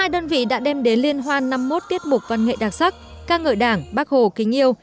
một mươi hai đơn vị đã đem đến liên hoan năm mốt tiết mục văn nghệ đặc sắc ca ngợi đảng bác hồ kính yêu